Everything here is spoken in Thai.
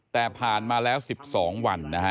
แต่ผ่านมาแล้ว๑๒วันนะฮะ